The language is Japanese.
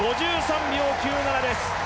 ５３秒９７です。